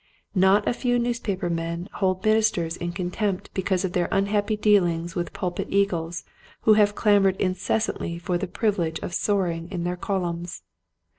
Not a few newspaper men hold ministers in contempt because of their unhappy dealings with pulpit eagles who have clamored incessantly for the privilege of soaring in their columns.